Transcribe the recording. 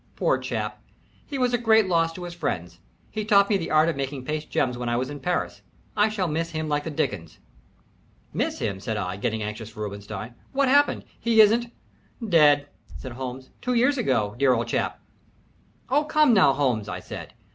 "Poor chap he was a great loss to his friends. He taught me the art of making paste gems when I was in Paris. I miss him like the dickens." "Miss him!" said I, getting anxious for Robinstein. "What happened? He isn't " "Dead," said Holmes. "Two years ago dear old chap." "Oh, come now, Holmes," I said.